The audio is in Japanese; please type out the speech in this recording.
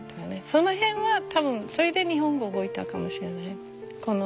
その辺は多分それで日本語覚えたかもしれない。